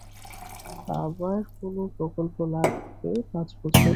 আবার কোনো প্রকল্প লাগবে পাঁচ বছর, মেয়াদ রাখা হয়েছে তিন বছর।